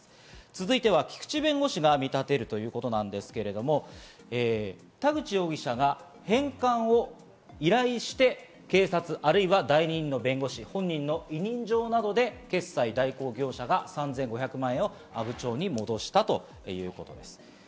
続いて菊地弁護士が見立てることですが、田口容疑者が返還を依頼して警察、或いは代理人弁護士、本人の委任状などで決済代行業者が３５００万円を阿武町に戻したということです。